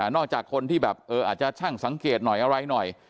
จากคนที่แบบอาจจะช่างสังเกตหน่อยอะไรหน่อย